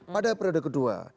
pada periode kedua